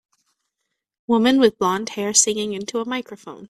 Woman with blondhair singing into a microphone.